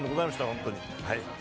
本当に。